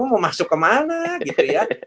mau masuk kemana gitu ya